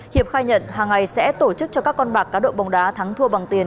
hiệp khai nhận hàng ngày sẽ tổ chức cho các con bạc cá độ bóng đá thắng thua bằng tiền